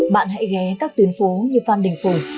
bạn hãy ghé các tuyến phố như phan đình phùng